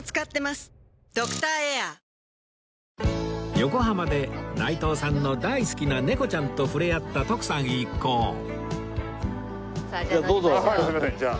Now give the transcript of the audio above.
横浜で内藤さんの大好きな猫ちゃんと触れ合った徳さん一行さあじゃあ乗りましょう。